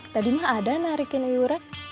saya narikin ui urek